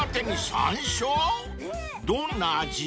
［どんな味？］